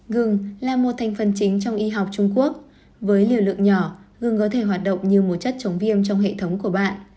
gừng là một thành phần chính trong y học trung quốc với liều lượng nhỏ gương có thể hoạt động như một chất chống viêm trong hệ thống của bạn